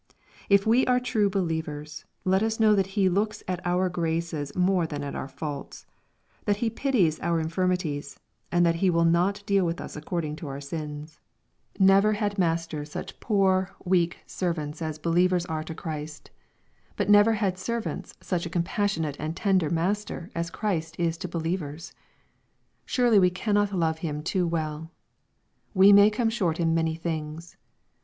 If we are true believers, let us know that He looks at our graces more than at our faults, that He pities our infirmities, and that He will not deal with us according to our sins. Never had 406 EXPOSITORY THOUGHTS. master such poor, weak servants as believers are to Christ, but never had servants such a compassionate and tender Master as Christ is to believers 1 Surely we can* not love Him too welL We may come short in many things.